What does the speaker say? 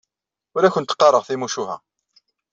Ur awent-d-qqareɣ timucuha.